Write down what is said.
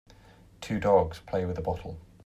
Two dogs play with a bottle.